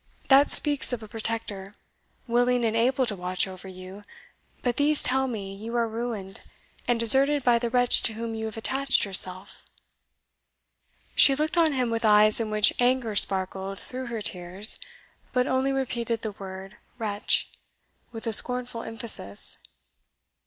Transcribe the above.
That speaks of a protector, willing and able to watch over you; but these tell me you are ruined, and deserted by the wretch to whom you have attached yourself." She looked on him with eyes in which anger sparkled through her tears, but only repeated the word "wretch!" with a scornful emphasis.